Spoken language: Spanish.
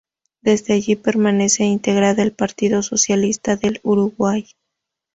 Desde allí permanece integrada al Partido Socialista del Uruguay.